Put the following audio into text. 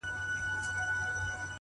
• مرگ دی که ژوند دی،